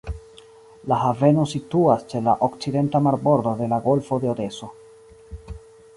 La haveno situas ĉe la okcidenta marbordo de la golfo de Odeso.